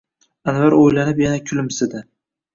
Anvar o’ylanib yana kulimsidi: